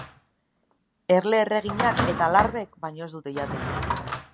Erle erreginak eta larbek baino ez dute jaten.